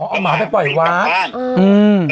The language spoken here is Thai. เอาหมาไปปล่อยไปวัด